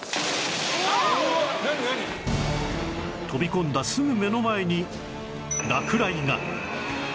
飛び込んだすぐ目の前に落雷が